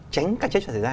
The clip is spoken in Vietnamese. tránh các chế chấp xảy ra